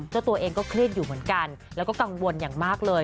เจ้าตัวเองก็เครียดอยู่เหมือนกันแล้วก็กังวลอย่างมากเลย